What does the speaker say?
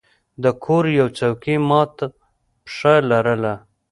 د کور یوه څوکۍ مات پښه لرله.